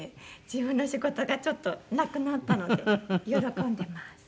自分の仕事がちょっとなくなったので喜んでます。